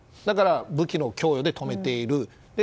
だから、武器の供与で止めている。